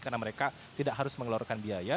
karena mereka tidak harus mengeluarkan biaya